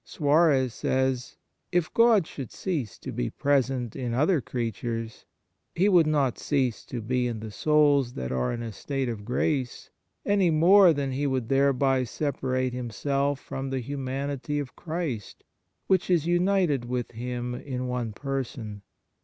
Suarez says: " If God should cease to be present in other creatures, He would not cease to be in the souls that are in a state of grace, any more than He would thereby separate Himself from the humanity of Christ which is united with Him in one person.